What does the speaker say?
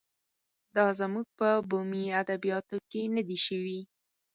دا زموږ په بومي ادبیاتو کې نه دی شوی.